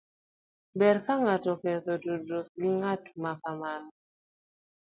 Ber ka ng'ato oketho tudruok gi ng'at ma kamano.